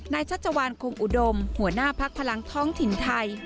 ชัชวานคงอุดมหัวหน้าพักพลังท้องถิ่นไทย